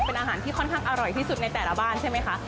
เป็นอาหารที่ค่อนข้างอร่อยที่สุดในแต่ละบ้านใช่ไหมคะ